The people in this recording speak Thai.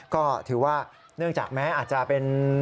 ก็ถือว่าเนื่องจากแม้อาจจะเป็น